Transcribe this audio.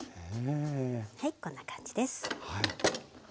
はいこんな感じです。